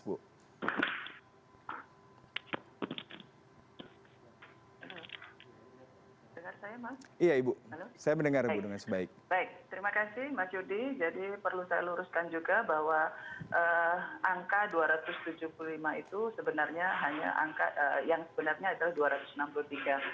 terima kasih mas yudi jadi perlu saya luruskan juga bahwa angka dua ratus tujuh puluh lima itu sebenarnya hanya angka yang sebenarnya adalah dua ratus enam puluh tiga